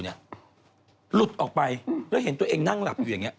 หลุดออกไปแล้วเห็นตัวเองนั่งหลับอยู่อย่างนี้